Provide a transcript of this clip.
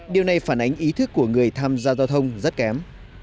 điều này phản ánh ý thức của người tham gia giao thông rất kém